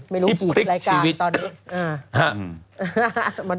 ไม่รู้กี่รายการตอนนี้